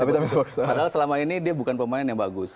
padahal selama ini dia bukan pemain yang bagus